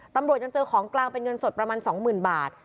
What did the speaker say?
ตำรวจจำเจอของกลางเป็นเงินสดประมาณสองหมื่นบาท